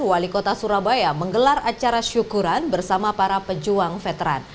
wali kota surabaya menggelar acara syukuran bersama para pejuang veteran